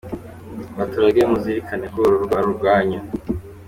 Baturage muzirikane ko uru rugo ari urwanyu.